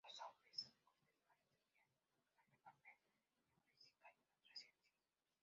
Los dobletes continúan desempeñando un importante papel en física y en otras ciencias.